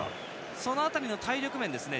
その辺りの体力面ですね